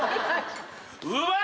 うまい！